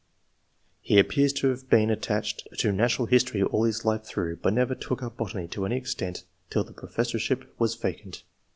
]" He appears to have been attached to natural history all his life through, but never took up botany to any extent till the professorship was vacant.